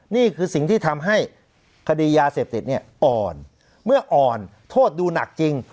นี่คือสิ่งที่ทำให้คดียาเสพติดเนี่ยอ่อนเมื่ออ่อนโทษดูหนักจริง